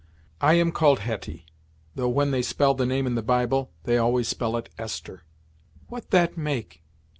"I am called Hetty, though when they spell the name in the bible, they always spell it Esther." "What that make?